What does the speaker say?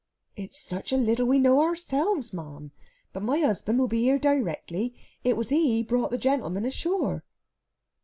"It's such a little we know ourselves, ma'am. But my husband will be here directly. It was he brought the gentleman ashore...."